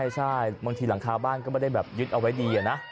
ใช่บางทีหลังคาบ้านก็ไม่ได้แบบยึดเอาไว้ดีนะ